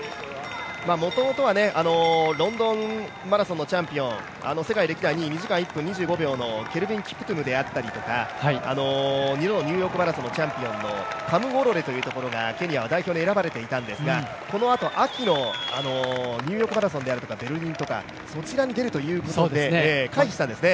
もともとはロンドンマラソンのチャンピオン、世界歴代２位２時間１分２５秒の選手だったり２度のニューヨークマラソンのチャンピオンがケニアの代表で選ばれていたんですが、このあと秋のニューヨークマラソンであったりとかベルリンとか、そちらに出るということで回避したんですね。